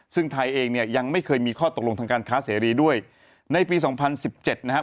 ซึ่งไทยเองเนี่ยยังไม่เคยมีข้อตกลงทางการค้าเสรีด้วยในปีสองพันสิบเจ็ดนะครับ